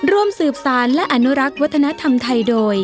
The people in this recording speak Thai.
ร่วมสืบสารและอนุรักษ์วัฒนธรรมไทยโดย